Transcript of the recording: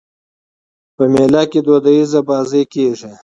په مېله کښي دودیزي بازۍ کېږي.